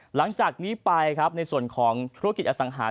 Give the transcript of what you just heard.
หลังจากนี้ไปในส่วนของทุกขิตอสังหาค์